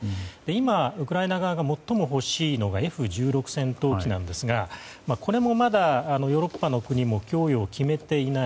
今、ウクライナ側が最も欲しいのがＦ１６戦闘機なんですがこれもまだ、ヨーロッパの国も供与を決めていない。